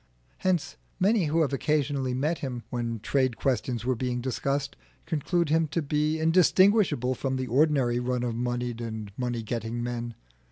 Hence many who have occasionally met him when trade questions were being discussed, conclude him to be indistinguishable from the ordinary run of moneyed and money getting men.